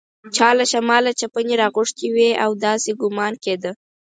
چا له شماله چپنې راغوښتي وې او داسې ګومان کېده.